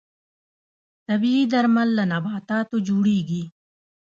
طبیعي درمل له نباتاتو جوړیږي